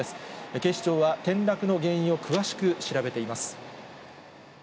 警視庁は転落の原因を詳しく調べています。